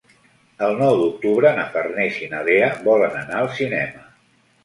El nou d'octubre na Farners i na Lea volen anar al cinema.